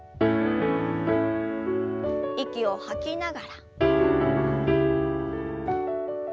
息を吐きながら。